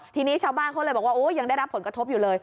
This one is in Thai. ทีนี้ชาวบ้านเขาเลยบอกว่าโอ้ยังได้รับผลกระทบอยู่เลย